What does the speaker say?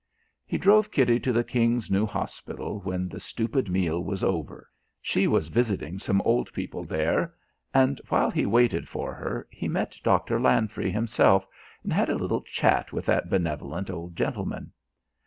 He drove Kitty to the King's New Hospital when the stupid meal was over she was visiting some old people there and while he waited for her, he met Dr. Lanfry himself and had a little chat with that benevolent old gentleman.